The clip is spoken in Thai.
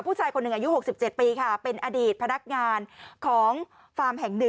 วิทยุไสต์คนหนึ่งอายุ๖๗ปีค่ะเป็นอเด็ดพนักงานของฟาร์มแห่ง๑